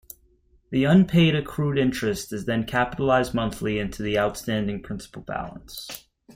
The unpaid accrued interest is then capitalized monthly into the outstanding principal balance.